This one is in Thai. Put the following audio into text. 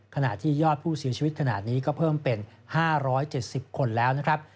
ขณะที่ยอดผู้เสียชีวิตขนาดนี้ก็เพิ่มเป็น๕๗๐คนแล้วนะครับ